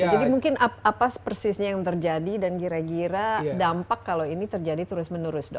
jadi mungkin apa persisnya yang terjadi dan kira kira dampak kalau ini terjadi terus menerus dok